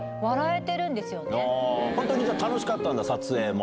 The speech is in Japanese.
本当に楽しかったんだ撮影も。